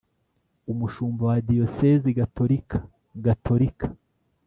Umushumba wa diyosezi gatolika gatolika